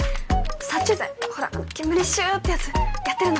殺虫剤ほら煙シュってやつやってるの。